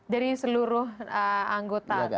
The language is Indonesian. dari seluruh anggota yang ikut ya